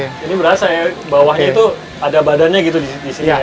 ini berasa ya bawahnya itu ada badannya gitu disini ya